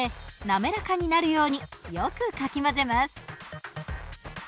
滑らかになるようによくかき混ぜます。